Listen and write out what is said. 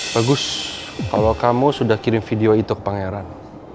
bagus kalau kamu sudah kirim video itu ke pangeran